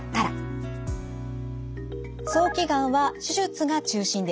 早期がんは手術が中心です。